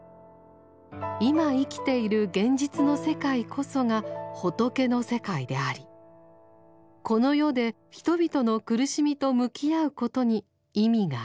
今生きている現実の世界こそが「仏の世界」でありこの世で人々の苦しみと向き合うことに意味がある。